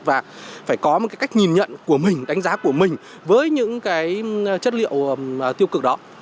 và phải có một cái cách nhìn nhận của mình đánh giá của mình với những cái chất liệu tiêu cực đó